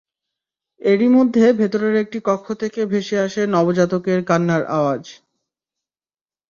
এরই মধ্যে ভেতরের একটি কক্ষ থেকে ভেসে আসে নবজাতকের কান্নার আওয়াজ।